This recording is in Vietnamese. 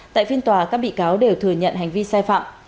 tại phiên tòa các bị cáo đều thừa nhận hành vi sai phạm